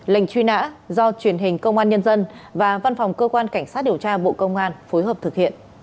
lệnh truy nã do truyền hình công an nhân dân và văn phòng cơ quan cảnh sát điều tra bộ công an phối hợp thực hiện